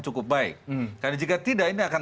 cukup baik karena jika tidak ini akan